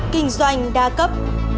kinh doanh đa cấp